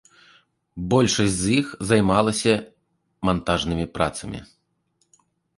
Большасць з іх займалася мантажнымі працамі.